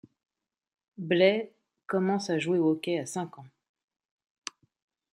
Blais commence à jouer au hockey à cinq ans.